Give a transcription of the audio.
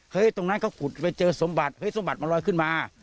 ตรงนั้นเขาขุดไปเจอสมบัติเฮ้ยสมบัติมันลอยขึ้นมา